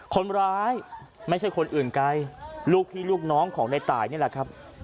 คนร้ายไม่ใช่คนอื่นไกลลูกพี่ลูกน้องของในตายนี่แหละครับ